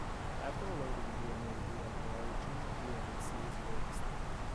After loading dnaB at the origin, dnaC is released.